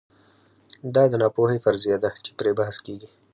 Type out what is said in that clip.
دا د ناپوهۍ فرضیه ده چې پرې بحث کېږي.